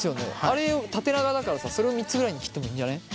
あれ縦長だからそれを３つぐらいに切ってもいいんじゃね？